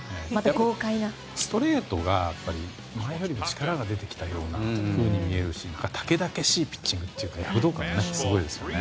ストレートに前よりも力が出てきたように見えるし猛々しいピッチングというか躍動感がすごいですよね。